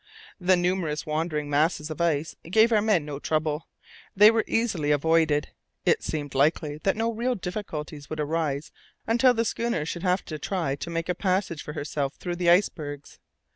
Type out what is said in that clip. The numerous wandering masses of ice gave our men no trouble; they were easily avoided. It seemed likely that no real difficulties would arise until the schooner should have to try to make a passage for herself through the icebergs.